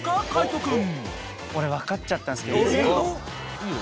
いいよ。